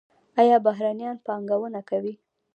آیا بهرنیان پانګونه کوي؟